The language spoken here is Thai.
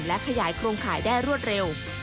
และขยายโครงข่ายได้รวดเร็ว